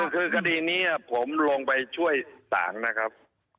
คือคดีนี้ผมลงไปช่วยศาลนะครับ